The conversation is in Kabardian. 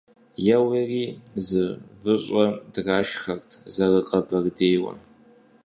- Еуэри, зы выщӀэ дгъашхэрт зэрыкъэбэрдейуэ.